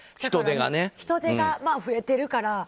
人出が増えてるから。